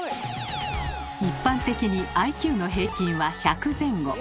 一般的にＩＱの平均は１００前後。